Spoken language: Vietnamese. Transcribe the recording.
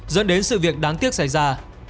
dẫn đến sự việc đáng tiếc xảy ra